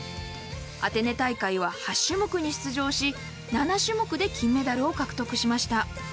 アテネ大会は８種目に出場し、７種目で金メダルを獲得しました。